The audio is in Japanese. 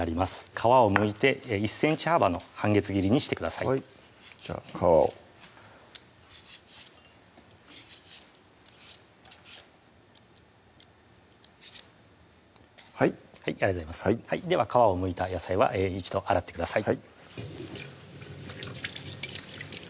皮をむいて１ｃｍ幅の半月切りにしてくださいじゃあ皮をはいありがとうございますでは皮をむいた野菜は一度洗ってください